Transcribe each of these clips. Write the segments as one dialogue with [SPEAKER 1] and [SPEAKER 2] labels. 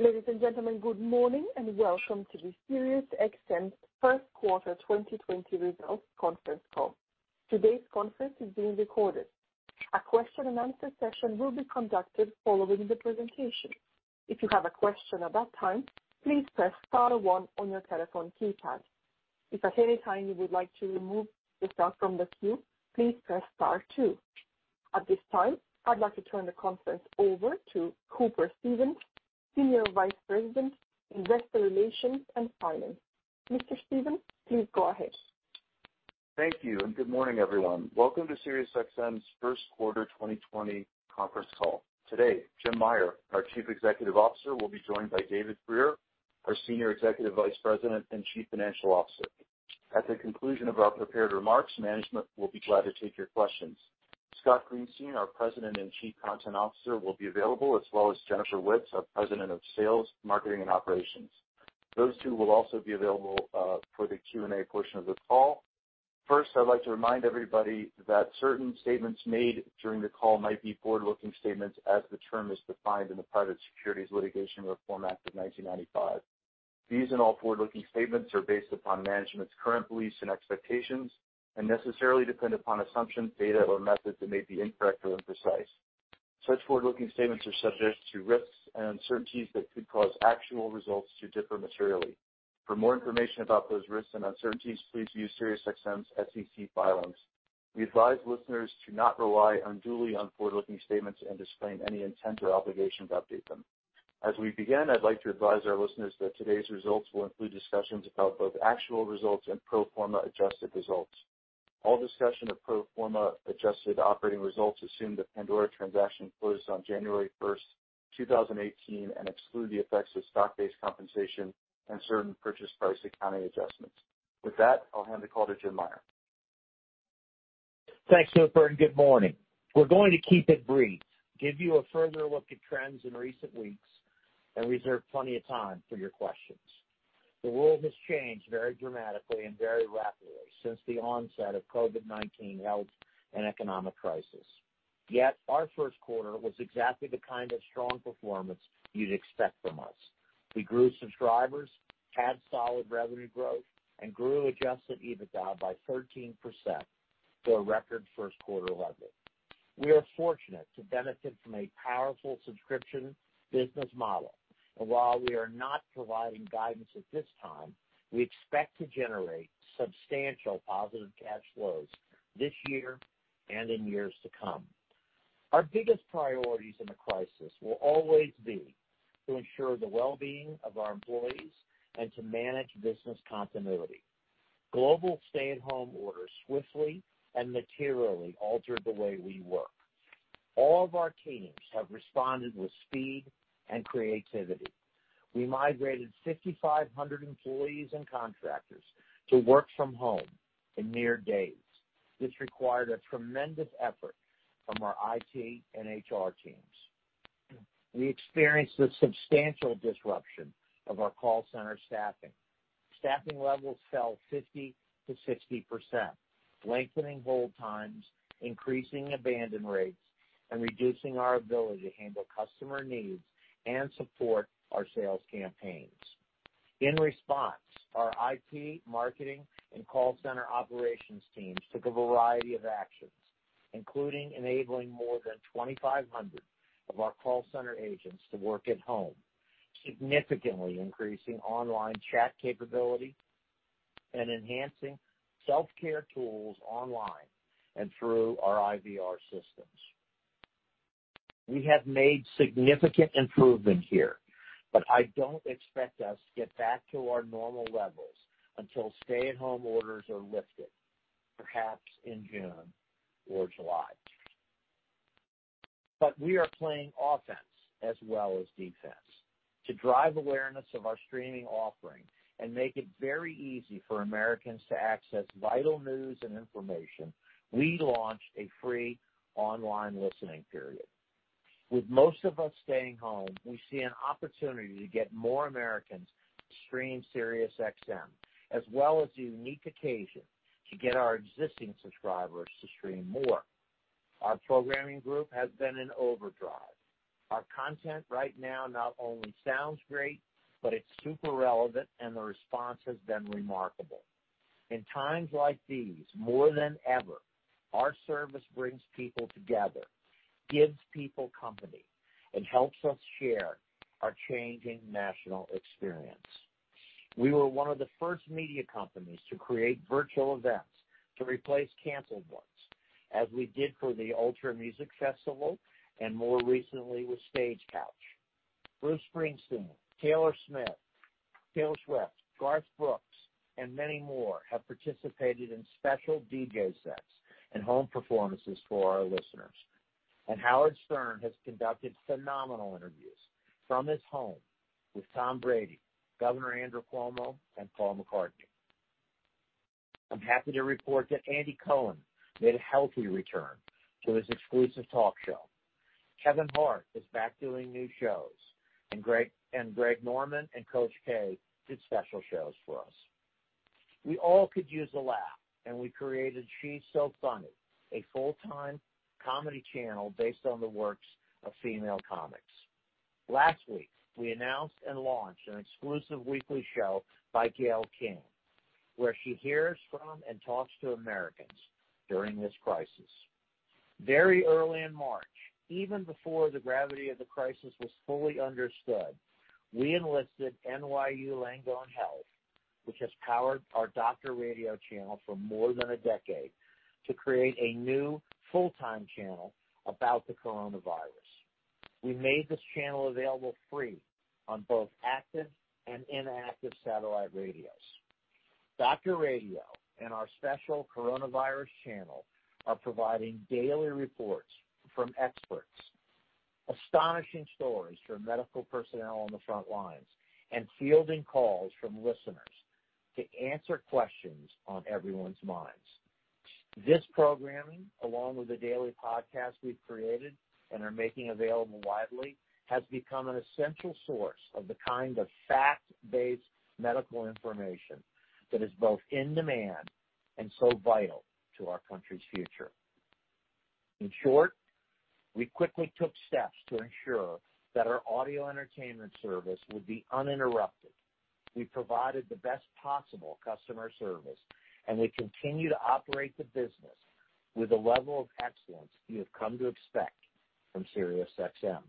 [SPEAKER 1] Ladies and gentlemen, good morning and welcome to the SiriusXM's first quarter 2020 results conference call. Today's conference is being recorded. A question and answer session will be conducted following the presentation. If you have a question at that time, please press star one on your telephone keypad. If at any time you would like to remove yourself from the queue, please press star two. At this time, I'd like to turn the conference over to Hooper Stevens, Senior Vice President, Investor Relations and Finance. Mr. Stevens, please go ahead.
[SPEAKER 2] Thank you, and good morning, everyone. Welcome to SiriusXM's first quarter 2020 conference call. Today, Jim Meyer, our Chief Executive Officer, will be joined by David Frear, our Senior Executive Vice President and Chief Financial Officer. At the conclusion of our prepared remarks, management will be glad to take your questions. Scott Greenstein, our President and Chief Content Officer, will be available, as well as Jennifer Witz, our President of Sales, Marketing, and Operations. Those two will also be available for the Q&A portion of the call. I'd like to remind everybody that certain statements made during the call might be forward-looking statements as the term is defined in the Private Securities Litigation Reform Act of 1995. These and all forward-looking statements are based upon management's current beliefs and expectations and necessarily depend upon assumptions, data, or methods that may be incorrect or imprecise. Such forward-looking statements are subject to risks and uncertainties that could cause actual results to differ materially. For more information about those risks and uncertainties, please view SiriusXM's SEC filings. We advise listeners to not rely unduly on forward-looking statements and disclaim any intent or obligation to update them. As we begin, I'd like to advise our listeners that today's results will include discussions about both actual results and pro forma adjusted results. All discussion of pro forma adjusted operating results assume the Pandora transaction closed on January 1st, 2018 and exclude the effects of stock-based compensation and certain purchase price accounting adjustments. With that, I'll hand the call to Jim Meyer.
[SPEAKER 3] Thanks, Hooper, and good morning. We're going to keep it brief, give you a further look at trends in recent weeks and reserve plenty of time for your questions. The world has changed very dramatically and very rapidly since the onset of COVID-19 health and economic crisis. Our first quarter was exactly the kind of strong performance you'd expect from us. We grew subscribers, had solid revenue growth, and grew adjusted EBITDA by 13%, to a record first quarter level. We are fortunate to benefit from a powerful subscription business model. While we are not providing guidance at this time, we expect to generate substantial positive cash flows this year and in years to come. Our biggest priorities in a crisis will always be to ensure the well-being of our employees and to manage business continuity. Global stay-at-home orders swiftly and materially altered the way we work. All of our teams have responded with speed and creativity. We migrated 5,500 employees and contractors to work from home in mere days. This required a tremendous effort from our IT and HR teams. We experienced a substantial disruption of our call center staffing. Staffing levels fell 50% to 60%, lengthening hold times, increasing abandon rates, and reducing our ability to handle customer needs and support our sales campaigns. In response, our IT, marketing, and call center operations teams took a variety of actions, including enabling more than 2,500 of our call center agents to work at home, significantly increasing online chat capability, and enhancing self-care tools online and through our IVR systems. We have made significant improvement here, I don't expect us to get back to our normal levels until stay-at-home orders are lifted, perhaps in June or July. We are playing offense as well as defense. To drive awareness of our streaming offering and make it very easy for Americans to access vital news and information, we launched a free online listening period. With most of us staying home, we see an opportunity to get more Americans to stream SiriusXM, as well as the unique occasion to get our existing subscribers to stream more. Our programming group has been in overdrive. Our content right now not only sounds great, but it's super relevant and the response has been remarkable. In times like these, more than ever, our service brings people together, gives people company, and helps us share our changing national experience. We were one of the first media companies to create virtual events to replace canceled ones, as we did for the Ultra Music Festival and more recently with Stagecouch. Bruce Springsteen, Taylor Smith, Taylor Swift, Garth Brooks, and many more have participated in special DJ sets and home performances for our listeners. Howard Stern has conducted phenomenal interviews from his home with Tom Brady, Governor Andrew Cuomo, and Paul McCartney. I'm happy to report that Andy Cohen made a healthy return to his exclusive talk show. Kevin Hart is back doing new shows, and Greg Norman and Coach K did special shows for us. We all could use a laugh, and we created She's So Funny, a full-time comedy channel based on the works of female comics. Last week, we announced and launched an exclusive weekly show by Gayle King, where she hears from and talks to Americans during this crisis. Very early in March, even before the gravity of the crisis was fully understood, we enlisted NYU Langone Health, which has powered our Doctor Radio channel for more than a decade, to create a new full-time channel about the coronavirus. We made this channel available free on both active and inactive satellite radios. Doctor Radio and our special coronavirus channel are providing daily reports from experts, astonishing stories from medical personnel on the front lines, and fielding calls from listeners to answer questions on everyone's minds. This programming, along with a daily podcast we've created and are making available widely, has become an essential source of the kind of fact-based medical information that is both in demand and so vital to our country's future. In short, we quickly took steps to ensure that our audio entertainment service would be uninterrupted. We provided the best possible customer service, we continue to operate the business with a level of excellence you have come to expect from SiriusXM.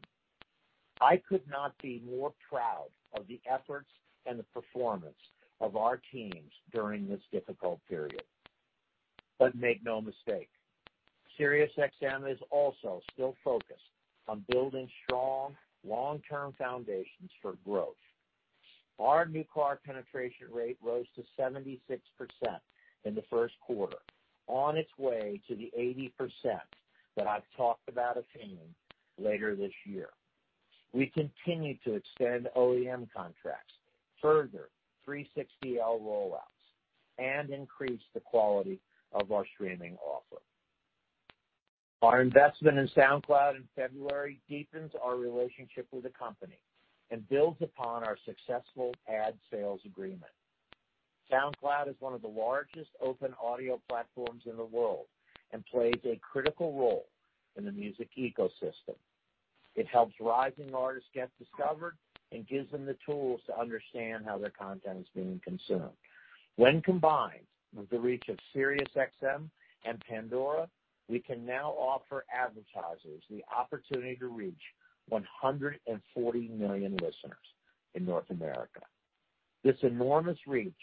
[SPEAKER 3] I could not be more proud of the efforts and the performance of our teams during this difficult period. Make no mistake, SiriusXM is also still focused on building strong long-term foundations for growth. Our new car penetration rate rose to 76% in the first quarter, on its way to the 80% that I've talked about attaining later this year. We continue to extend OEM contracts, further 360L rollouts, and increase the quality of our streaming offer. Our investment in SoundCloud in February deepens our relationship with the company and builds upon our successful ad sales agreement. SoundCloud is one of the largest open audio platforms in the world and plays a critical role in the music ecosystem. It helps rising artists get discovered and gives them the tools to understand how their content is being consumed. When combined with the reach of SiriusXM and Pandora, we can now offer advertisers the opportunity to reach 140 million listeners in North America. This enormous reach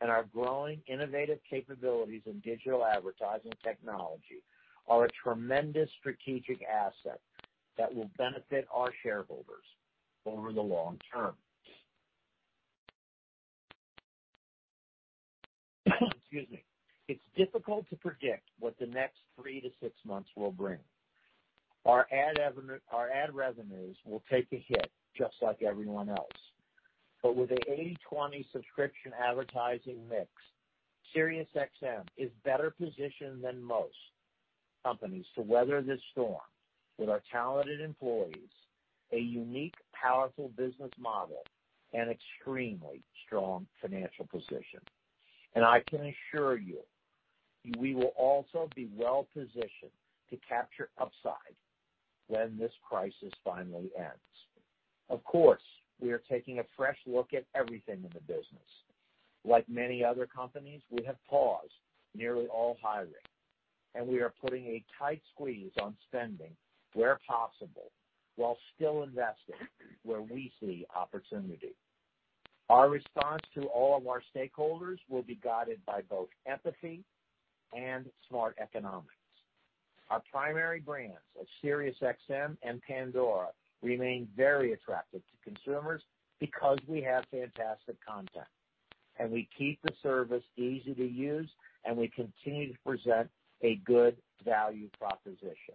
[SPEAKER 3] and our growing innovative capabilities in digital advertising technology are a tremendous strategic asset that will benefit our shareholders over the long term. Excuse me. It's difficult to predict what the next three to six months will bring. Our ad revenues will take a hit just like everyone else. With an 80/20 subscription advertising mix, SiriusXM is better positioned than most companies to weather this storm with our talented employees, a unique, powerful business model, and extremely strong financial position. I can assure you, we will also be well-positioned to capture upside when this crisis finally ends. Of course, we are taking a fresh look at everything in the business. Like many other companies, we have paused nearly all hiring, and we are putting a tight squeeze on spending where possible while still investing where we see opportunity. Our response to all of our stakeholders will be guided by both empathy and smart economics. Our primary brands of SiriusXM and Pandora remain very attractive to consumers because we have fantastic content, and we keep the service easy to use, and we continue to present a good value proposition.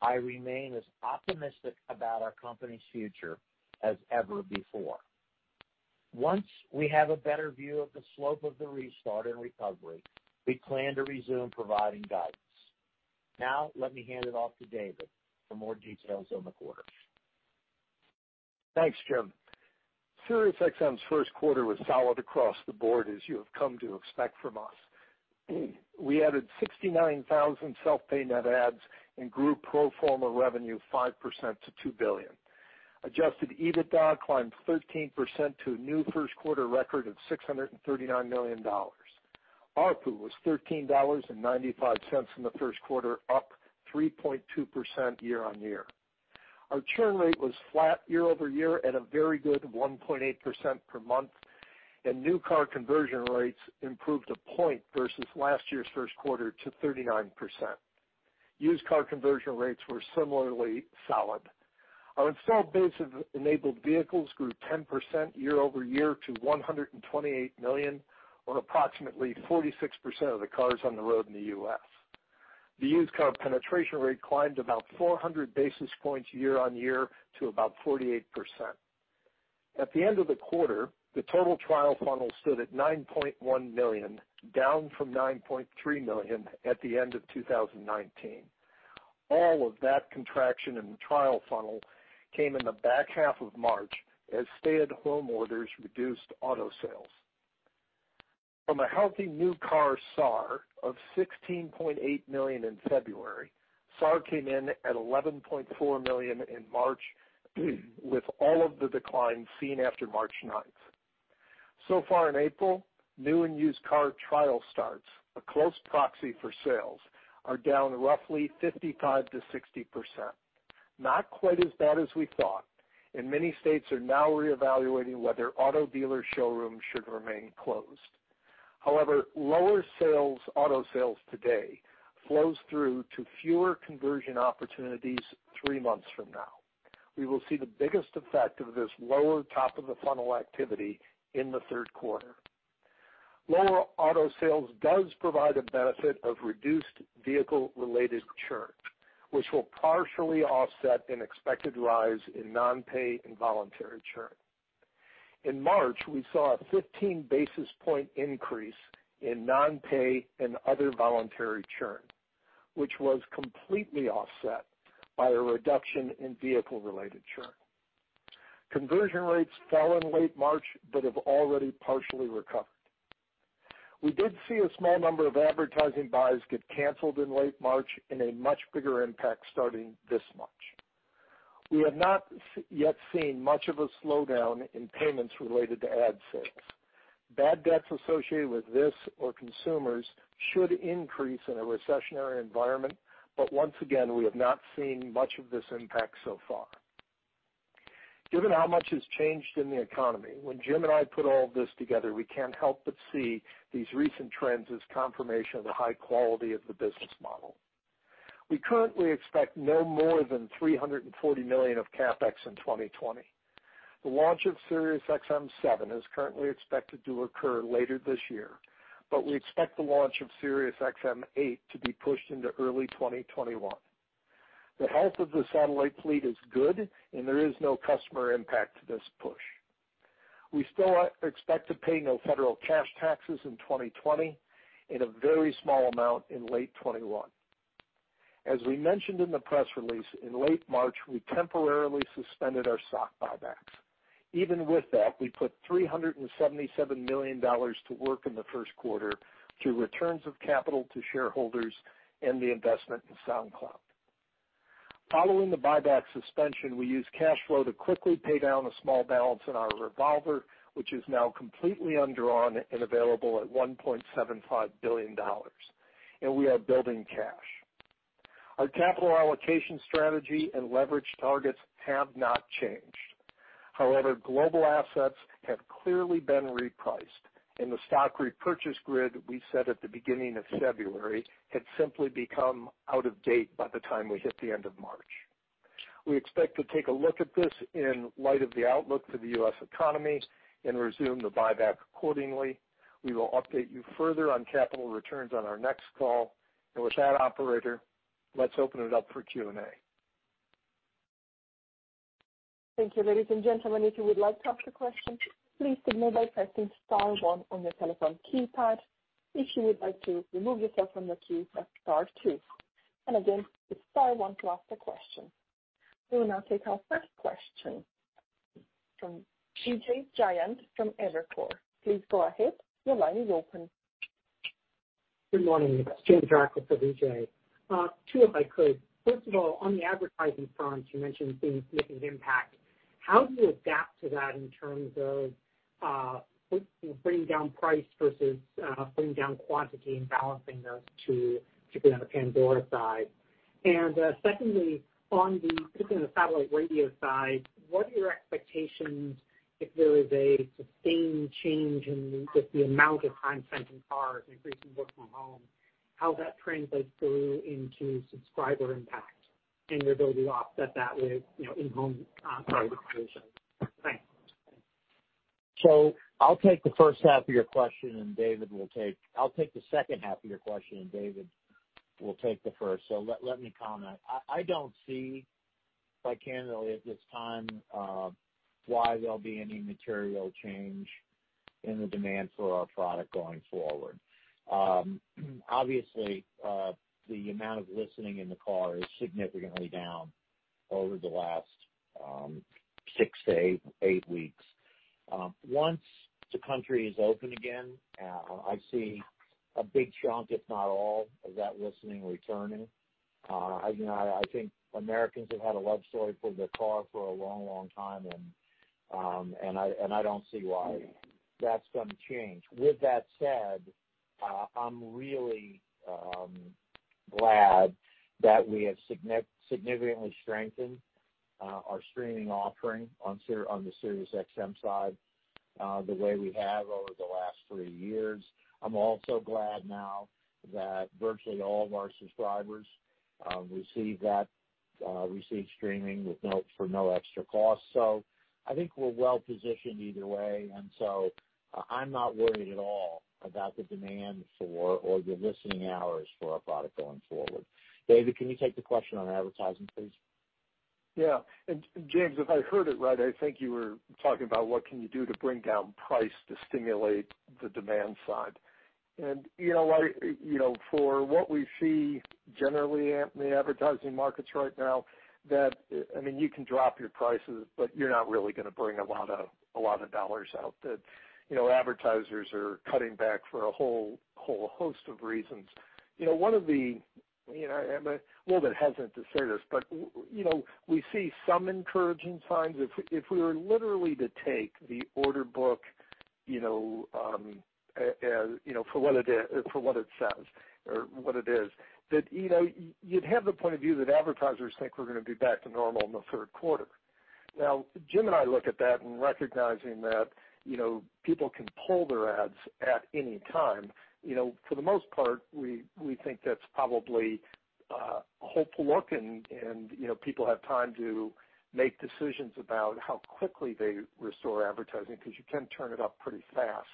[SPEAKER 3] I remain as optimistic about our company's future as ever before. Once we have a better view of the slope of the restart and recovery, we plan to resume providing guidance. Now, let me hand it off to David for more details on the quarter.
[SPEAKER 4] Thanks, Jim. SiriusXM's first quarter was solid across the board, as you have come to expect from us. We added 69,000 self-pay net adds and grew pro forma revenue 5% to $2 billion. Adjusted EBITDA climbed 13% to a new first-quarter record of $639 million. ARPU was $13.95 in the first quarter, up 3.2% year-on-year. Our churn rate was flat year-over-year at a very good 1.8% per month, and new car conversion rates improved a point versus last year's first quarter to 39%. Used car conversion rates were similarly solid. Our installed base of enabled vehicles grew 10% year-over-year to 128 million, or approximately 46% of the cars on the road in the U.S. The used car penetration rate climbed about 400 basis points year-on-year to about 48%. At the end of the quarter, the total trial funnel stood at $9.1 million, down from $9.3 million at the end of 2019. All of that contraction in the trial funnel came in the back half of March as stay-at-home orders reduced auto sales. From a healthy new car SAAR of $16.8 million in February, SAAR came in at $11.4 million in March, with all of the declines seen after March 9th. Far in April, new and used car trial starts, a close proxy for sales, are down roughly 55%-60%. Not quite as bad as we thought, and many states are now reevaluating whether auto dealer showrooms should remain closed. However, lower auto sales today flows through to fewer conversion opportunities three months from now. We will see the biggest effect of this lower top-of-the-funnel activity in the third quarter. Lower auto sales does provide a benefit of reduced vehicle-related churn, which will partially offset an expected rise in non-pay and voluntary churn. In March, we saw a 15-basis-point increase in non-pay and other voluntary churn, which was completely offset by a reduction in vehicle-related churn. Conversion rates fell in late March but have already partially recovered. We did see a small number of advertising buys get canceled in late March and a much bigger impact starting this March. We have not yet seen much of a slowdown in payments related to ad sales. Bad debts associated with this or consumers should increase in a recessionary environment, but once again, we have not seen much of this impact so far. Given how much has changed in the economy, when Jim and I put all this together, we can't help but see these recent trends as confirmation of the high quality of the business model. We currently expect no more than $340 million of CapEx in 2020. The launch of SXM-7 is currently expected to occur later this year, but we expect the launch of SXM-8 to be pushed into early 2021. The health of the satellite fleet is good, and there is no customer impact to this push. We still expect to pay no federal cash taxes in 2020 and a very small amount in late 2021. As we mentioned in the press release, in late March, we temporarily suspended our stock buybacks. Even with that, we put $377 million to work in the first quarter through returns of capital to shareholders and the investment in SoundCloud. Following the buyback suspension, we used cash flow to quickly pay down a small balance in our revolver, which is now completely undrawn and available at $1.75 billion, and we are building cash. Our capital allocation strategy and leverage targets have not changed. However, global assets have clearly been repriced, and the stock repurchase grid we set at the beginning of February had simply become out of date by the time we hit the end of March. We expect to take a look at this in light of the outlook for the U.S. economy and resume the buyback accordingly. We will update you further on capital returns on our next call. With that, operator, let's open it up for Q&A.
[SPEAKER 1] Thank you. Ladies and gentlemen, if you would like to ask a question, please signal by pressing star one on your telephone keypad. If you would like to remove yourself from the queue, press star two. Again, it's star one to ask a question. We will now take our first question from Vijay Jayant from Evercore. Please go ahead. Your line is open.
[SPEAKER 5] Good morning. It's Vijay Jayant with EJ. Two, if I could. First of all, on the advertising front, you mentioned things making an impact. How do you adapt to that in terms of bringing down price versus bringing down quantity and balancing those two, particularly on the Pandora side? Secondly, on the satellite radio side, what are your expectations if there is a sustained change in just the amount of time spent in cars and increasing work from home, how that translates through into subscriber impact and your ability to offset that with in-home? Thanks.
[SPEAKER 3] I'll take the first half of your question, I'll take the second half of your question, and David will take the first. Let me comment. I don't see, quite candidly at this time, why there'll be any material change in the demand for our product going forward. Obviously, the amount of listening in the car is significantly down over the last six to eight weeks. Once the country is open again, I see a big chunk, if not all, of that listening returning. I think Americans have had a love story for the car for a long time, and I don't see why that's going to change. With that said, I'm really glad that we have significantly strengthened our streaming offering on the SiriusXM side the way we have over the last three years.
[SPEAKER 4] I'm also glad now that virtually all of our subscribers receive streaming for no extra cost. I think we're well-positioned either way, and so I'm not worried at all about the demand for or the listening hours for our product going forward. David, can you take the question on advertising, please? Yeah. James, if I heard it right, I think you were talking about what can you do to bring down price to stimulate the demand side. For what we see generally in the advertising markets right now, you can drop your prices, but you're not really going to bring a lot of dollars out that advertisers are cutting back for a whole host of reasons. I'm a little bit hesitant to say this, but we see some encouraging signs. If we were literally to take the order book, for what it says or what it is, that you'd have the point of view that advertisers think we're going to be back to normal in the third quarter. Now, Jim and I look at that and recognizing that people can pull their ads at any time. For the most part, we think that's probably a hopeful look, and people have time to make decisions about how quickly they restore advertising, because you can turn it up pretty fast.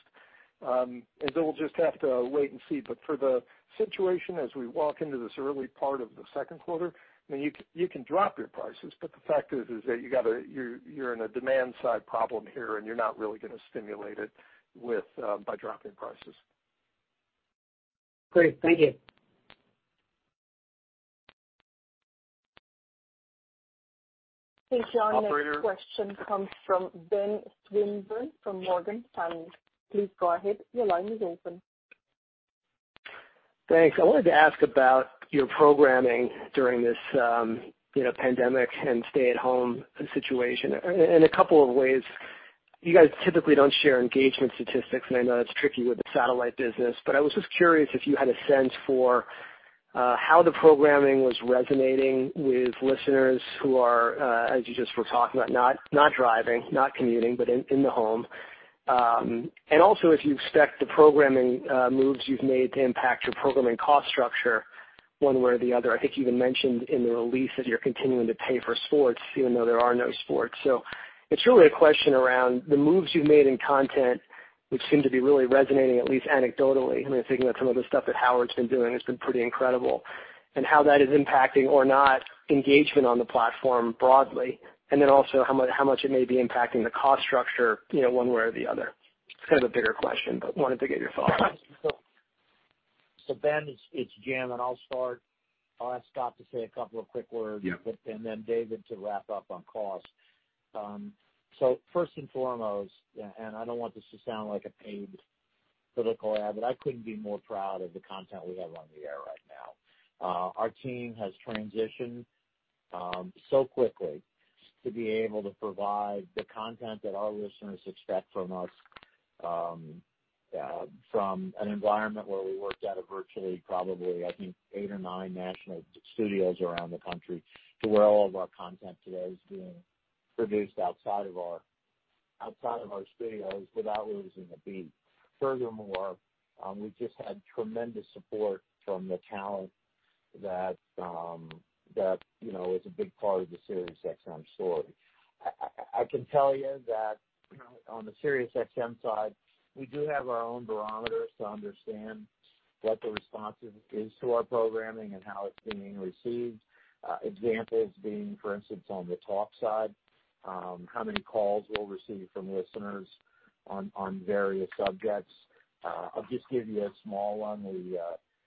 [SPEAKER 4] We'll just have to wait and see. For the situation as we walk into this early part of the second quarter, you can drop your prices, but the fact is that you're in a demand side problem here, and you're not really going to stimulate it by dropping prices.
[SPEAKER 5] Great, thank you.
[SPEAKER 1] Okay, John.
[SPEAKER 4] Operator.
[SPEAKER 1] Next question comes from Benjamin Swinburne from Morgan Stanley. Please go ahead. Your line is open.
[SPEAKER 6] Thanks. I wanted to ask about your programming during this pandemic and stay-at-home situation in a couple of ways. You guys typically don't share engagement statistics, and I know that's tricky with the satellite business. I was just curious if you had a sense for how the programming was resonating with listeners who are, as you just were talking about, not driving, not commuting, but in the home. Also, if you expect the programming moves you've made to impact your programming cost structure one way or the other. I think you even mentioned in the release that you're continuing to pay for sports even though there are no sports. It's really a question around the moves you've made in content which seem to be really resonating, at least anecdotally. I mean, I think that some of the stuff that Howard's been doing has been pretty incredible, and how that is impacting or not engagement on the platform broadly, and then also how much it may be impacting the cost structure one way or the other. It's kind of a bigger question, but wanted to get your thoughts.
[SPEAKER 3] Ben, it's Jim, and I'll start. I'll ask Scott to say a couple of quick words.
[SPEAKER 7] Yeah.
[SPEAKER 3] David to wrap up on cost. First and foremost, I don't want this to sound like a paid political ad, I couldn't be more proud of the content we have on the air right now. Our team has transitioned so quickly to be able to provide the content that our listeners expect from us, from an environment where we worked out of virtually probably, I think, eight or nine national studios around the country, to where all of our content today is being produced outside of our studios without losing a beat. Furthermore, we've just had tremendous support from the talent that is a big part of the SiriusXM story. I can tell you that on the SiriusXM side, we do have our own barometers to understand what the response is to our programming and how it's being received. Examples being, for instance, on the talk side, how many calls we'll receive from listeners on various subjects. I'll just give you a small one. The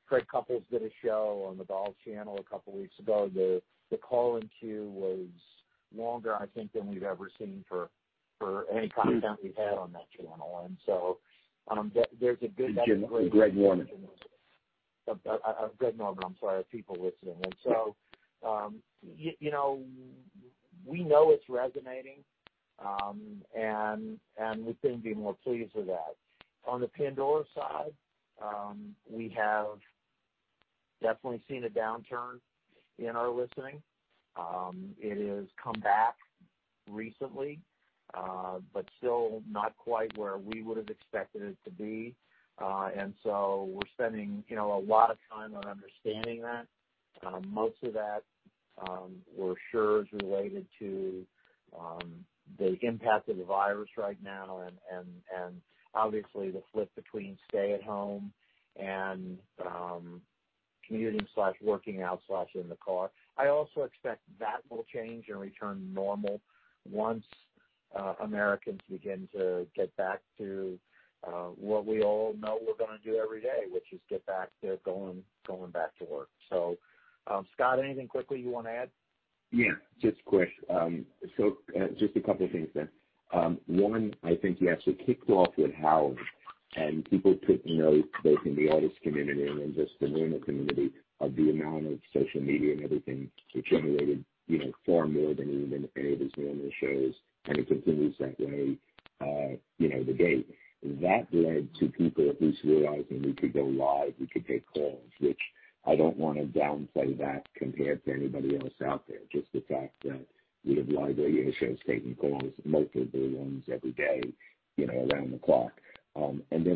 [SPEAKER 3] Fred Couples did a show on the Golf Channel a couple of weeks ago. The call-in queue was longer, I think, than we've ever seen for any content we've had on that channel.
[SPEAKER 4] Greg Norman.
[SPEAKER 3] Greg Norman, I'm sorry, of people listening. We know it's resonating, and we couldn't be more pleased with that. On the Pandora side, we have definitely seen a downturn in our listening. It has come back recently but still not quite where we would've expected it to be. We're spending a lot of time on understanding that. Most of that we're sure is related to the impact of the virus right now and obviously the flip between stay at home and commuting/working out/in the car. I also expect that will change and return normal once Americans begin to get back to what we all know we're going to do every day, which is get back there, going back to work. Scott, anything quickly you want to add?
[SPEAKER 7] Yeah, just quick. Just a couple of things then. One, I think you actually kicked off with Howard and people took note, both in the artist community and just the normal community of the amount of social media and everything it generated far more than even any of his normal shows, and it continues that way to date. That led to people at least realizing we could go live, we could take calls, which I don't want to downplay that compared to anybody else out there. Just the fact that we have live radio shows taking calls multiple times every day around the clock.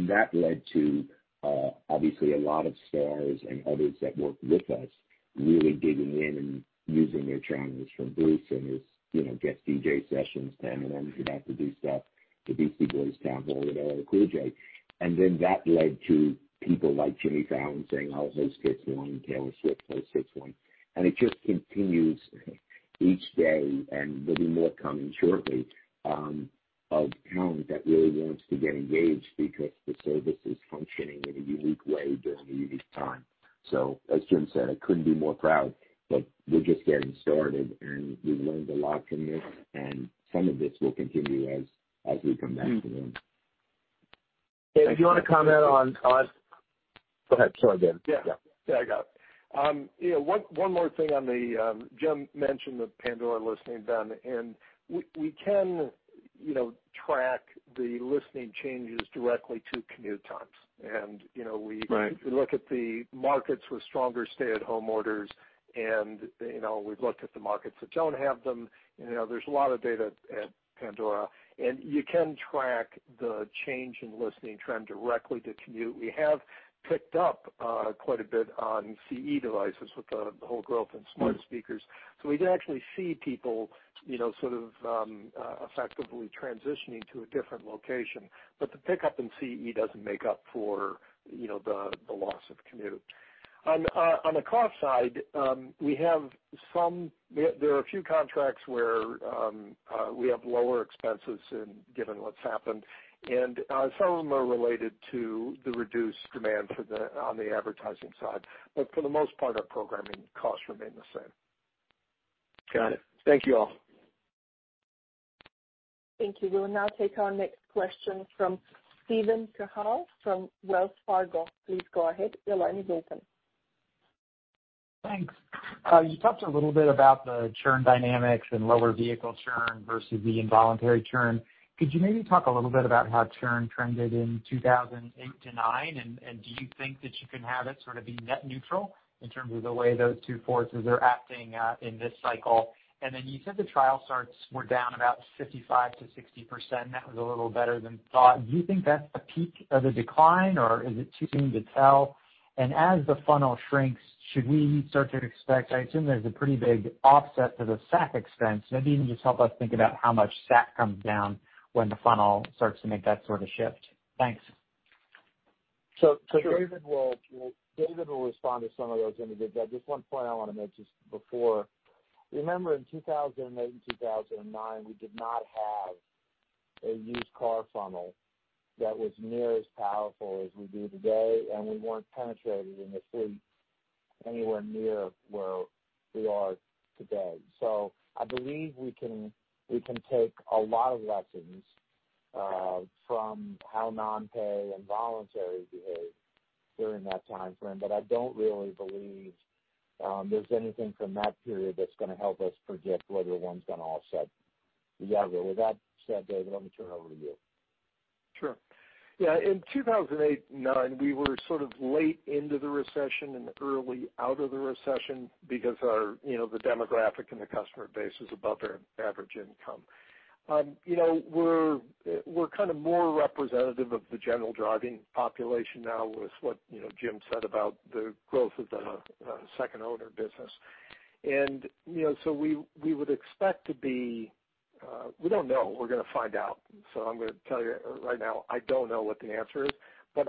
[SPEAKER 7] That led to obviously a lot of stars and others that work with us really digging in and using their channels from boots, Get DJ sessions, Pandora should have to do stuff. The Beastie Boys Town Hall with LL Cool J. That led to people like Jimmy Fallon saying, oh, Host gets one, Taylor Swift gets one. It just continues each day, and there'll be more coming shortly, of talent that really wants to get engaged because the service is functioning in a unique way during a unique time. As Jim said, I couldn't be more proud, but we're just getting started, we've learned a lot from this, some of this will continue as we come back to them.
[SPEAKER 3] Dave, do you want to comment? Go ahead. Sorry, Ben. Yeah. Yeah.
[SPEAKER 4] Yeah, go. One more thing on the. Jim mentioned the Pandora listening done. We can track the listening changes directly to commute times. Right. We look at the markets with stronger stay-at-home orders, and we've looked at the markets that don't have them. There's a lot of data at Pandora, and you can track the change in listening trend directly to commute. We have picked up quite a bit on CE devices with the whole growth in smart speakers. We can actually see people effectively transitioning to a different location. The pickup in CE doesn't make up for the loss of commute. On the cost side, there are a few contracts where we have lower expenses given what's happened, and some of them are related to the reduced demand on the advertising side. For the most part, our programming costs remain the same.
[SPEAKER 6] Got it. Thank you all.
[SPEAKER 1] Thank you. We will now take our next question from Steven Cahall from Wells Fargo. Please go ahead. Your line is open.
[SPEAKER 8] Thanks. You talked a little bit about the churn dynamics and lower vehicle churn versus the involuntary churn. Could you maybe talk a little bit about how churn trended in 2008 to 2009, do you think that you can have it sort of be net neutral in terms of the way those two forces are acting in this cycle? You said the trial starts were down about 55%-60%, and that was a little better than thought. Do you think that's a peak of the decline, or is it too soon to tell? As the funnel shrinks, should we start to expect, I assume there's a pretty big offset to the SAC expense. Maybe you can just help us think about how much SAC comes down when the funnel starts to make that sort of shift. Thanks.
[SPEAKER 3] David will respond to some of those in a bit. Just one point I want to mention before. Remember, in 2008 and 2009, we did not have a used car funnel that was near as powerful as we do today, and we weren't penetrated in the fleet anywhere near where we are today. I believe we can take a lot of lessons from how non-pay and voluntary behaved during that timeframe, but I don't really believe there's anything from that period that's going to help us predict whether one's going to offset the other. With that said, David, let me turn it over to you.
[SPEAKER 4] Sure. Yeah, in 2008 and 2009, we were sort of late into the recession and early out of the recession because the demographic and the customer base was above their average income. We're kind of more representative of the general driving population now with what Jim said about the growth of the second owner business. We don't know. We're going to find out. I'm going to tell you right now, I don't know what the answer is.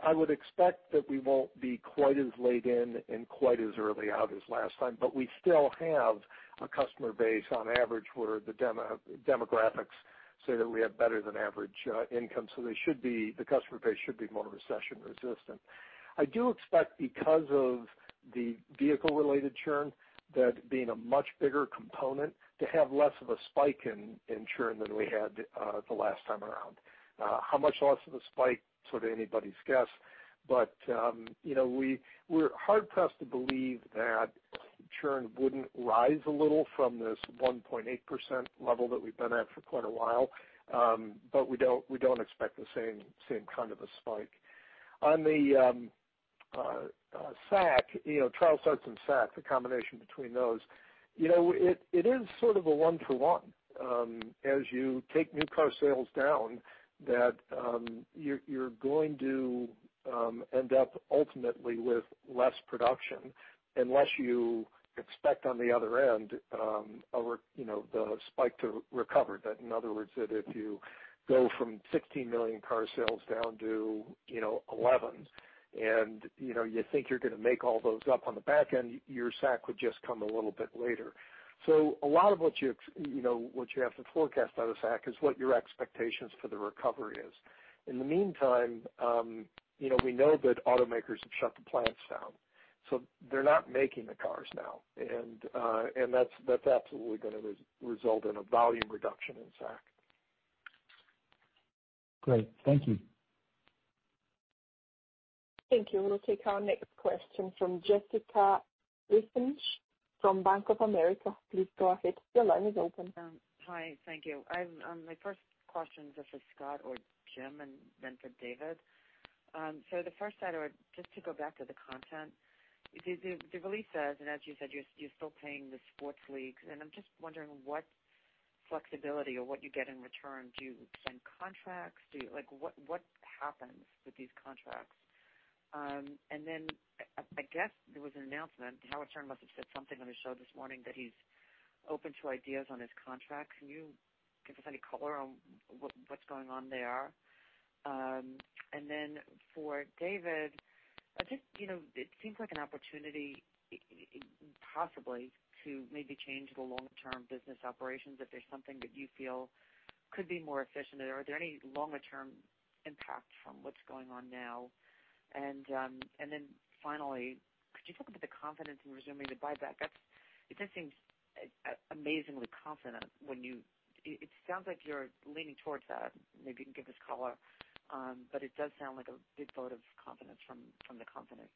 [SPEAKER 4] I would expect that we won't be quite as late in and quite as early out as last time, but we still have a customer base, on average, where the demographics say that we have better than average income. The customer base should be more recession resistant. I do expect because of the vehicle-related churn, that being a much bigger component to have less of a spike in churn than we had the last time around. How much less of a spike? Sort of anybody's guess. We're hard-pressed to believe that churn wouldn't rise a little from this 1.8% level that we've been at for quite a while, but we don't expect the same kind of a spike. On the trial starts and SAC, the combination between those, it is sort of a one-to-one. As you take new car sales down, that you're going to end up ultimately with less production unless you expect on the other end the spike to recover. In other words, if you go from 16 million car sales down to 11, and you think you're going to make all those up on the back end, your SAC would just come a little bit later. A lot of what you have to forecast out of SAC is what your expectations for the recovery is. In the meantime, we know that automakers have shut the plants down. They're not making the cars now, and that's absolutely going to result in a volume reduction in SAC.
[SPEAKER 8] Great. Thank you.
[SPEAKER 1] Thank you. We'll take our next question from Jessica Ehrlich from Bank of America. Please go ahead. Your line is open.
[SPEAKER 9] Hi. Thank you. My first question is for Scott or Jim and then for David. The first side, just to go back to the content. The release says, and as you said, you're still paying the sports leagues, and I'm just wondering what flexibility or what you get in return. Do you extend contracts? What happens with these contracts? I guess there was an announcement. Howard Stern must have said something on his show this morning that he's open to ideas on his contract. Can you give us any color on what's going on there? For David, it seems like an opportunity, possibly, to maybe change the long-term business operations, if there's something that you feel could be more efficient. Are there any longer-term impacts from what's going on now? Finally, could you talk about the confidence in resuming the buyback? It just seems amazingly confident. It sounds like you're leaning towards that. Maybe you can give us color. It does sound like a big vote of confidence from the company.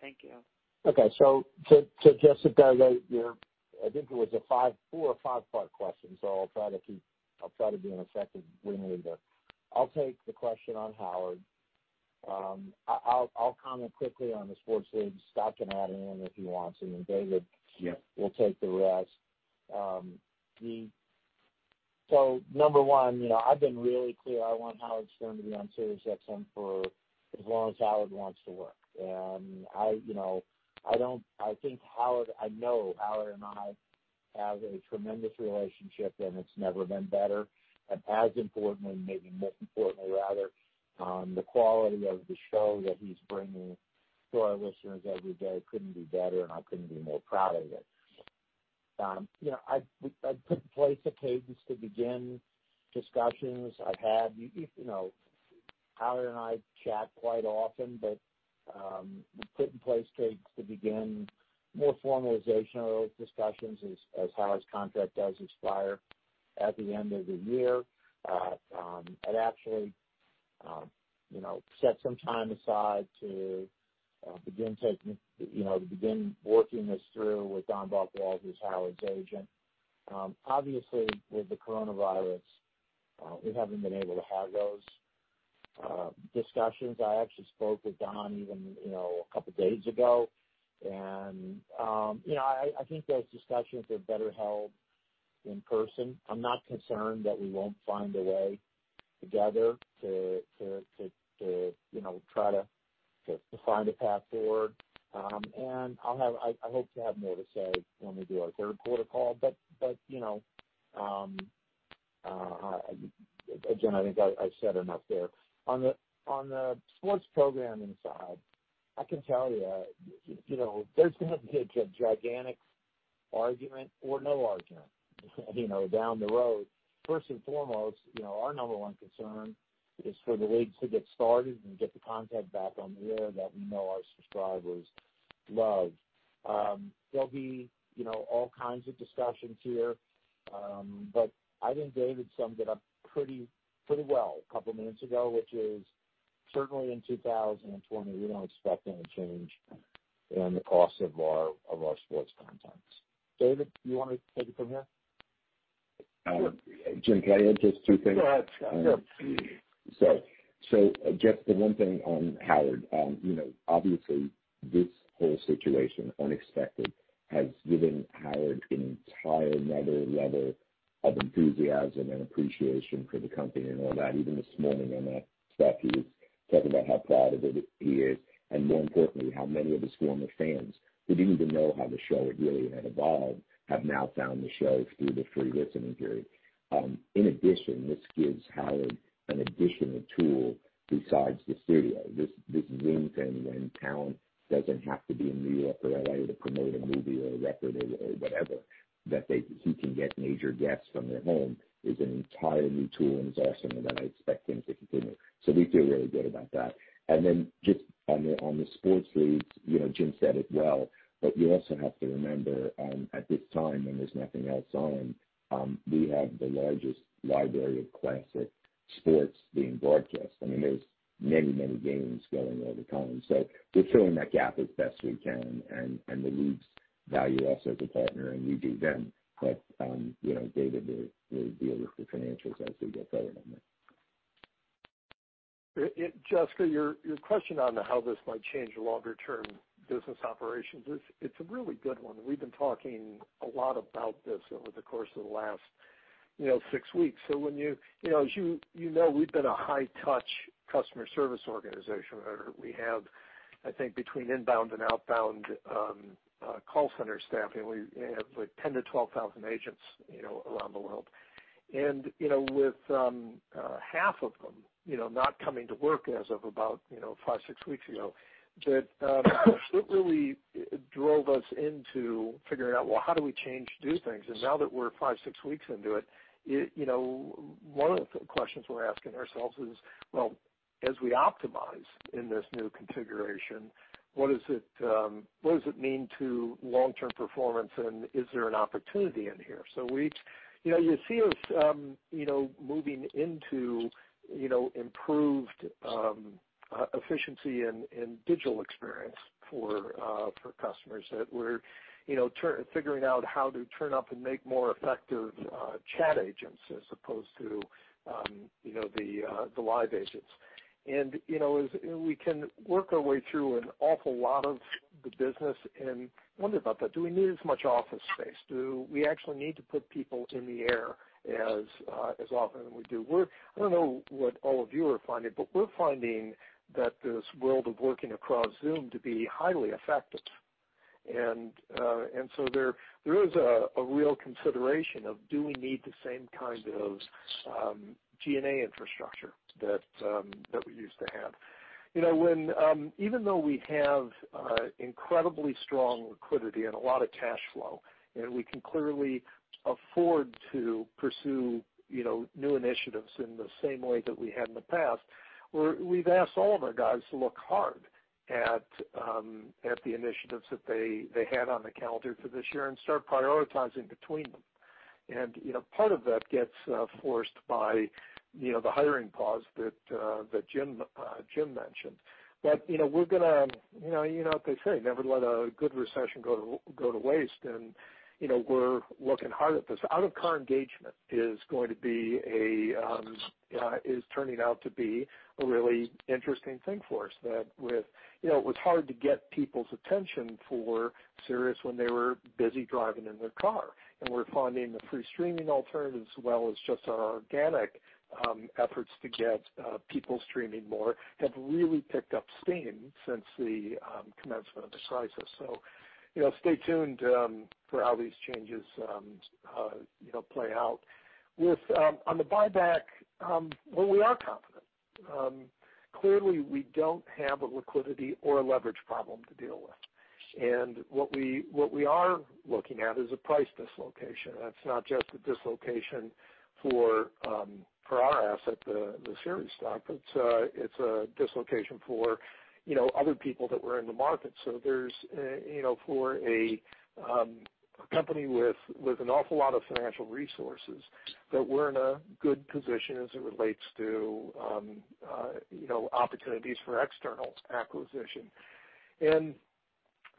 [SPEAKER 9] Thank you.
[SPEAKER 3] To Jessica, I think it was a four or five-part question, so I'll try to be an effective wingman, but I'll take the question on Howard. I'll comment quickly on the sports leagues. Scott can add in if he wants, and then David.
[SPEAKER 4] Yes
[SPEAKER 3] will take the rest. Number one, I've been really clear, I want Howard Stern to be on SiriusXM for as long as Howard wants to work. I know Howard and I have a tremendous relationship, and it's never been better. As importantly, maybe most importantly, rather, the quality of the show that he's bringing to our listeners every day couldn't be better, and I couldn't be more proud of it. I've put in place a cadence to begin discussions. Howard and I chat quite often, but we've put in place cadence to begin more formalization of those discussions as Howard's contract does expire at the end of the year. I'd actually set some time aside to begin working this through with Don Buchwald, who's Howard's agent. Obviously, with the coronavirus, we haven't been able to have those discussions. I actually spoke with Don even a couple days ago. I think those discussions are better held in person. I'm not concerned that we won't find a way together to try to find a path forward. I hope to have more to say when we do our third quarter call. Again, I think I said enough there. On the sports programming side, I can tell you, there's going to be a gigantic argument or no argument down the road. First and foremost, our number one concern is for the leagues to get started and get the content back on the air that we know our subscribers love. There'll be all kinds of discussions here, but I think David summed it up pretty well a couple of minutes ago, which is certainly in 2020, we're not expecting a change in the cost of our sports content. David, you want to take it from here?
[SPEAKER 7] Jim, can I add just two things?
[SPEAKER 3] Go ahead. Sure.
[SPEAKER 7] Just the one thing on Howard. Obviously, this whole situation, unexpected, has given Howard an entire other level of enthusiasm and appreciation for the company and all that. Even this morning on that stuff, he was talking about how proud of it he is, and more importantly, how many of his former fans, who didn't even know how the show really had evolved, have now found the show through the free listening period. In addition, this gives Howard an additional tool besides the studio. This Zoom thing, when talent doesn't have to be in New York or L.A. to promote a movie or a record or whatever, that he can get major guests from their home is an entirely new tool, and it's awesome, and one I expect him to continue. We feel really good about that. Just on the sports leagues, Jim said it well, but you also have to remember at this time when there's nothing else on, we have the largest library of classic sports being broadcast. There's many games going all the time. We're filling that gap as best we can, and the leagues value us as a partner, and we do them. David will deal with the financials as we get further on that.
[SPEAKER 4] Jessica, your question on how this might change longer-term business operations, it's a really good one. We've been talking a lot about this over the course of the last six weeks. As you know, we've been a high-touch customer service organization. We have, I think between inbound and outbound call center staffing, we have 10,000-2,000 agents around the world. With half of them not coming to work as of about five, six weeks ago, that really drove us into figuring out, well, how do we change to do things? Now that we're five, six weeks into it, one of the questions we're asking ourselves is, well, as we optimize in this new configuration, what does it mean to long-term performance, and is there an opportunity in here? You'll see us moving into improved efficiency and digital experience for customers, that we're figuring out how to turn up and make more effective chat agents as opposed to the live agents. The business and wonder about that. Do we need as much office space? Do we actually need to put people in the air as often as we do? I don't know what all of you are finding, but we're finding that this world of working across Zoom to be highly effective. There is a real consideration of do we need the same kind of G&A infrastructure that we used to have. Even though we have incredibly strong liquidity and a lot of cash flow, and we can clearly afford to pursue new initiatives in the same way that we have in the past, we've asked all of our guys to look hard at the initiatives that they had on the calendar for this year and start prioritizing between them. Part of that gets forced by the hiring pause that Jim mentioned. We're going to, you know what they say, never let a good recession go to waste. We're looking hard at this. Out-of-car engagement is turning out to be a really interesting thing for us. It was hard to get people's attention for Sirius when they were busy driving in their car. We're finding the free streaming alternatives as well as just our organic efforts to get people streaming more have really picked up steam since the commencement of the crisis. Stay tuned for how these changes play out. On the buyback, well, we are confident. Clearly, we don't have a liquidity or a leverage problem to deal with. What we are looking at is a price dislocation. That's not just a dislocation for our asset, the Sirius stock. It's a dislocation for other people that were in the market. For a company with an awful lot of financial resources, that we're in a good position as it relates to opportunities for external acquisition.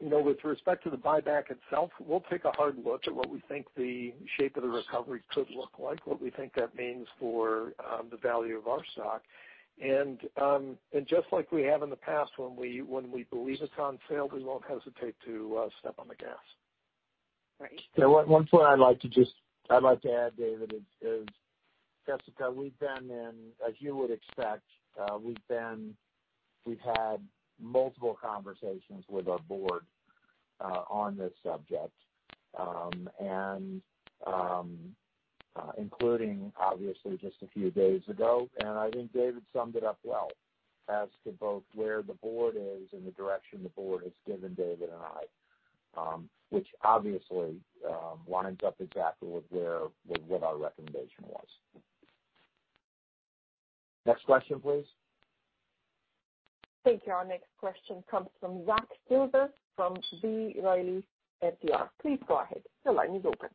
[SPEAKER 4] With respect to the buyback itself, we'll take a hard look at what we think the shape of the recovery could look like, what we think that means for the value of our stock. Just like we have in the past when we believe it's on sale, we won't hesitate to step on the gas.
[SPEAKER 9] Right.
[SPEAKER 3] One point I'd like to add, David, is, Jessica, as you would expect, we've had multiple conversations with our board on this subject, including, obviously, just a few days ago. I think David summed it up well as to both where the board is and the direction the board has given David and I, which obviously lines up exactly with what our recommendation was. Next question, please.
[SPEAKER 1] Thank you. Our next question comes from Zack Silver from B. Riley FBR. Please go ahead. Your line is open.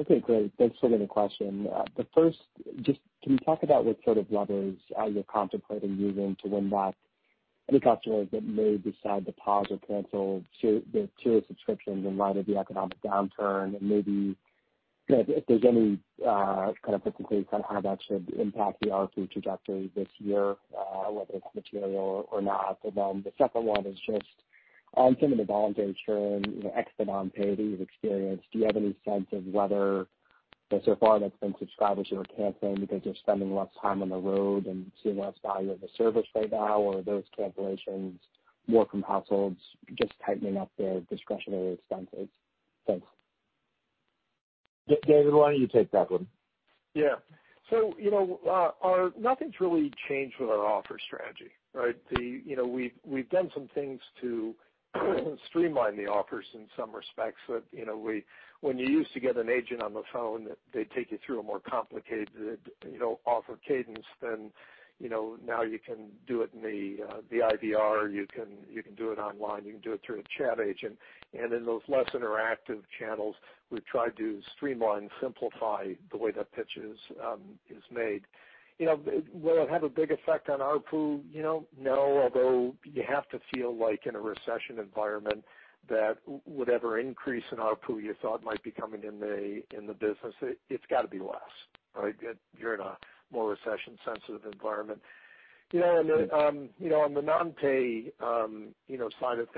[SPEAKER 10] Okay, great. Thanks for letting me question. The first, just can you talk about what sort of levers are you contemplating using to win back any customers that may decide to pause or cancel their Sirius subscriptions in light of the economic downturn? Maybe if there's any kind of takeaways on how that should impact the ARPU trajectory this year, whether it's material or not. Then the second one is just on some of the voluntary churn, ex the non-pay that you've experienced, do you have any sense of whether so far that's been subscribers who are canceling because they're spending less time on the road and seeing less value of the service right now? Are those cancellations working households just tightening up their discretionary expenses? Thanks.
[SPEAKER 3] David, why don't you take that one?
[SPEAKER 4] Yeah. Nothing's really changed with our offer strategy, right? We've done some things to streamline the offers in some respects. When you used to get an agent on the phone, they'd take you through a more complicated offer cadence than now you can do it in the IVR. You can do it online. You can do it through a chat agent. In those less interactive channels, we've tried to streamline, simplify the way that pitch is made. Will it have a big effect on ARPU? No, although you have to feel like in a recession environment that whatever increase in ARPU you thought might be coming in the business, it's got to be less, right? You're in a more recession-sensitive environment. On the non-pay side of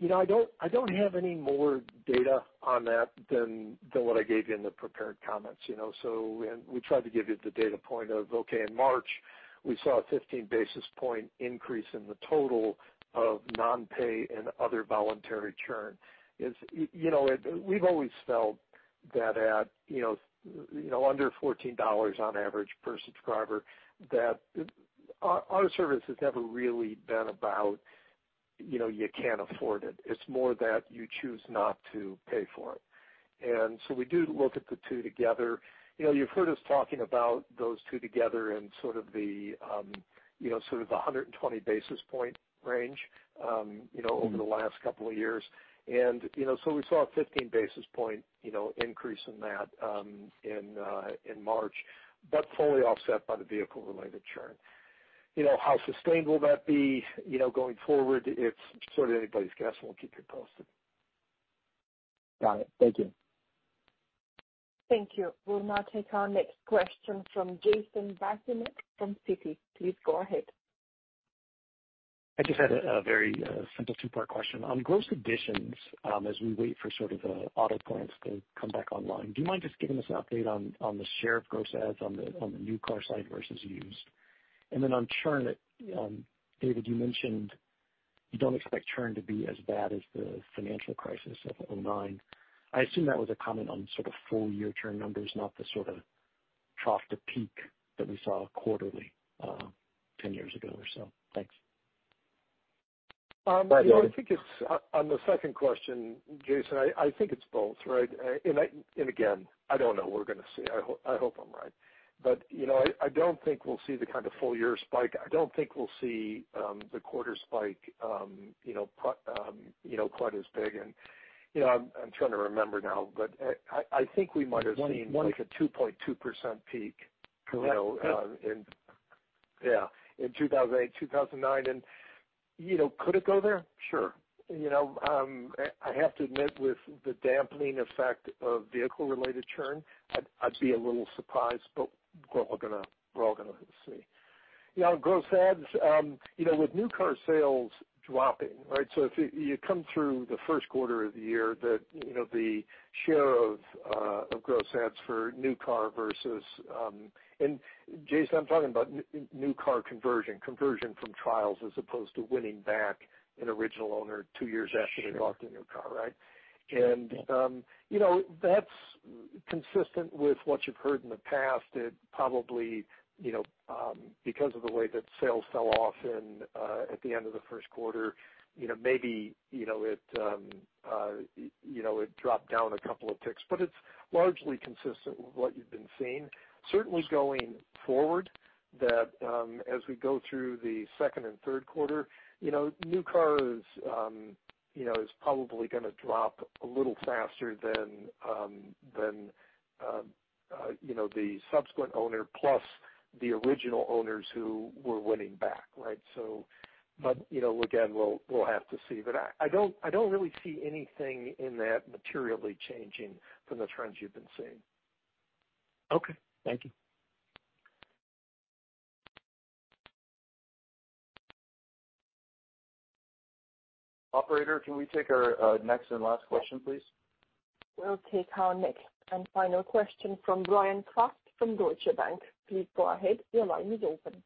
[SPEAKER 4] things, I don't have any more data on that than what I gave you in the prepared comments. We tried to give you the data point of, okay, in March, we saw a 15-basis-point increase in the total of non-pay and other voluntary churn. We've always felt that at under $14 on average per subscriber, that our service has never really been about you can't afford it. It's more that you choose not to pay for it. We do look at the two together. You've heard us talking about those two together in sort of the 120-basis-point range over the last couple of years. We saw a 15-basis-point increase in that in March, but fully offset by the vehicle-related churn. How sustained will that be going forward? It's sort of anybody's guess. We'll keep you posted.
[SPEAKER 10] Got it. Thank you.
[SPEAKER 1] Thank you. We'll now take our next question from Jason Bazinet from Citi. Please go ahead.
[SPEAKER 11] I just had a very simple two-part question. On gross additions, as we wait for sort of the auto plants to come back online, do you mind just giving us an update on the share of gross adds on the new car side versus used? On churn, David, you mentioned you don't expect churn to be as bad as the financial crisis of 2009. I assume that was a comment on sort of full-year churn numbers, not the sort of trough to peak that we saw quarterly 10 years ago or so. Thanks.
[SPEAKER 4] On the second question, Jason, I think it's both, right? Again, I don't know. We're going to see. I hope I'm right. I don't think we'll see the kind of full-year spike. I don't think we'll see the quarter spike quite as big. I'm trying to remember now, I think we might have seen like a 2.2% peak.
[SPEAKER 11] Correct.
[SPEAKER 4] Yeah. In 2008, 2009, could it go there? Sure. I have to admit, with the dampening effect of vehicle-related churn, I'd be a little surprised, but we're all going to see. Yeah, on gross adds, with new car sales dropping, right? If you come through the first quarter of the year, the share of gross adds for new car, Jason, I'm talking about new car conversion from trials as opposed to winning back an original owner two years after they bought the new car, right?
[SPEAKER 11] Sure.
[SPEAKER 4] That's consistent with what you've heard in the past. It probably, because of the way that sales fell off at the end of the first quarter, maybe it dropped down a couple of ticks. It's largely consistent with what you've been seeing. Certainly going forward, that as we go through the second and third quarter, new car is probably going to drop a little faster than the subsequent owner plus the original owners who we're winning back. Right? Again, we'll have to see. I don't really see anything in that materially changing from the trends you've been seeing.
[SPEAKER 11] Okay. Thank you.
[SPEAKER 4] Operator, can we take our next and last question, please?
[SPEAKER 1] We'll take our next and final question from Bryan Kraft from Deutsche Bank. Please go ahead. Your line is open.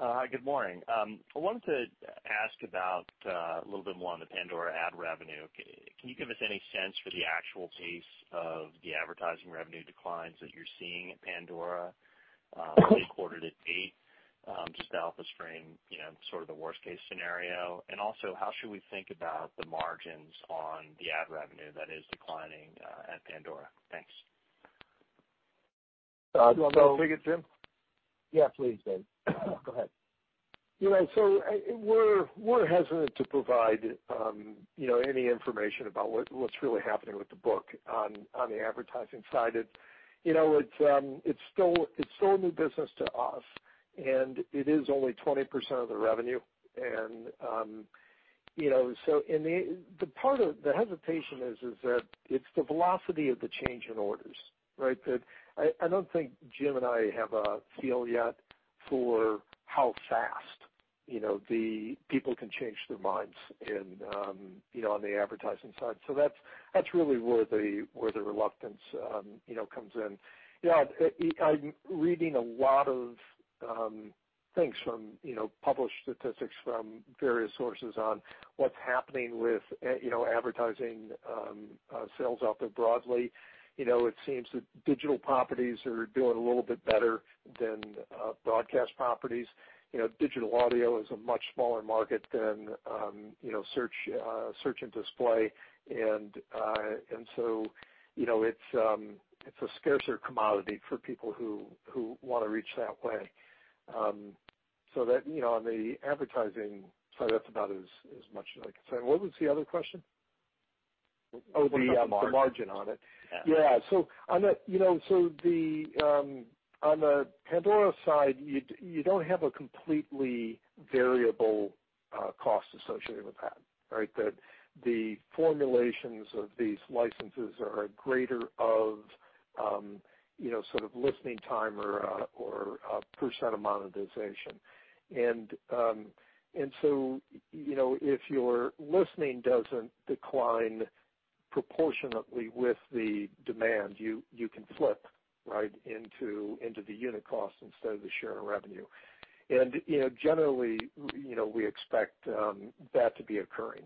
[SPEAKER 12] Hi, good morning. I wanted to ask about a little bit more on the Pandora ad revenue. Can you give us any sense for the actual pace of the advertising revenue declines that you're seeing at Pandora quarter to date, just to help us frame sort of the worst case scenario? Also, how should we think about the margins on the ad revenue that is declining at Pandora? Thanks.
[SPEAKER 4] Do you want to take it, Jim?
[SPEAKER 3] Yeah, please, Dave. Go ahead.
[SPEAKER 4] We're hesitant to provide any information about what's really happening with the book on the advertising side. It's still new business to us, and it is only 20% of the revenue. The hesitation is that it's the velocity of the change in orders, right? That I don't think Jim and I have a feel yet for how fast the people can change their minds on the advertising side. That's really where the reluctance comes in. Yeah, I'm reading a lot of things from published statistics from various sources on what's happening with advertising sales out there broadly. It seems that digital properties are doing a little bit better than broadcast properties. Digital audio is a much smaller market than search and display. It's a scarcer commodity for people who want to reach that way. On the advertising side, that's about as much as I can say. What was the other question? Oh, the margin on it.
[SPEAKER 12] Yeah.
[SPEAKER 4] Yeah. On the Pandora side, you don't have a completely variable cost associated with that. Right? The formulations of these licenses are a greater of sort of listening time or a percent of monetization. If your listening doesn't decline proportionately with the demand, you can flip into the unit cost instead of the share of revenue. Generally, we expect that to be occurring.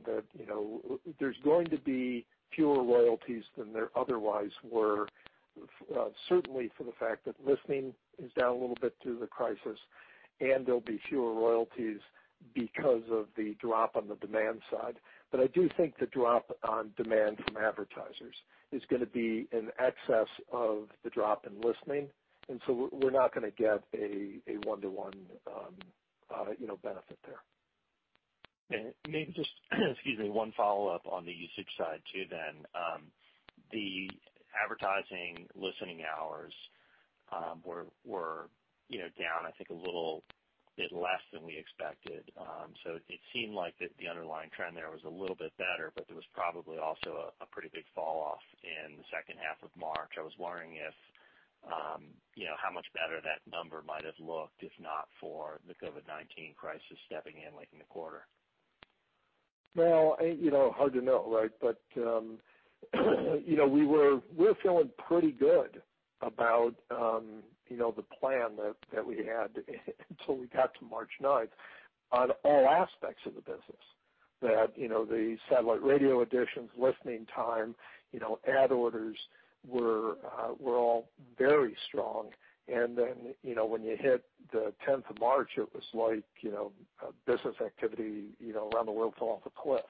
[SPEAKER 4] There's going to be fewer royalties than there otherwise were, certainly for the fact that listening is down a little bit due to the crisis, and there'll be fewer royalties because of the drop on the demand side. I do think the drop on demand from advertisers is going to be in excess of the drop in listening, and so we're not going to get a one-to-one benefit there.
[SPEAKER 12] Maybe just excuse me, one follow-up on the usage side, too, then. The advertising listening hours were down, I think a little bit less than we expected. It seemed like the underlying trend there was a little bit better, but there was probably also a pretty big fall-off in the second half of March. I was wondering how much better that number might have looked, if not for the COVID-19 crisis stepping in late in the quarter?
[SPEAKER 4] Hard to know, right? We were feeling pretty good about the plan that we had until we got to March 9th on all aspects of the business. That the satellite radio additions, listening time, ad orders were all very strong. When you hit the 10th of March, it was like business activity around the world fell off a cliff.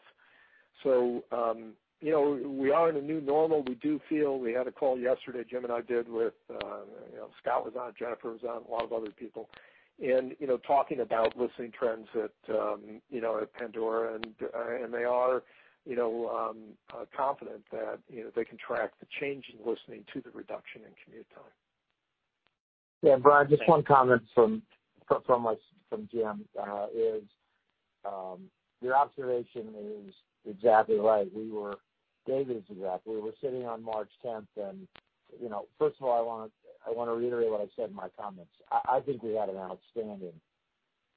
[SPEAKER 4] We are in a new normal. We had a call yesterday, Jim and I did. Scott was on, Jennifer was on, a lot of other people, and talking about listening trends at Pandora, and they are confident that they can track the change in listening to the reduction in commute time.
[SPEAKER 3] Yeah. Bryan, just one comment from Jim is, your observation is exactly right. David's exactly. We were sitting on March 10th and first of all, I want to reiterate what I said in my comments. I think we had an outstanding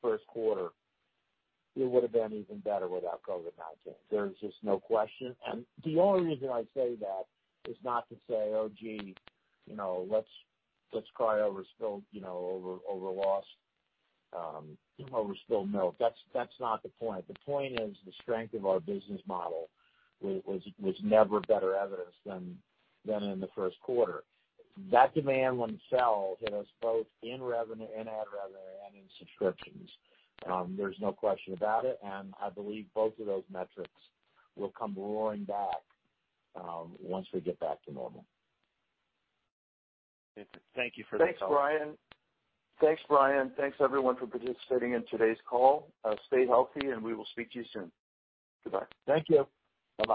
[SPEAKER 3] first quarter. It would've been even better without COVID-19. There's just no question. The only reason I say that is not to say, oh, gee, let's cry over spilled milk. That's not the point. The point is the strength of our business model was never better evidenced than in the first quarter. That demand when it fell hit us both in ad revenue and in subscriptions. There's no question about it, and I believe both of those metrics will come roaring back once we get back to normal.
[SPEAKER 12] Thank you for the call.
[SPEAKER 4] Thanks, Bryan. Thanks everyone for participating in today's call. Stay healthy, and we will speak to you soon. Goodbye.
[SPEAKER 3] Thank you. Bye-bye.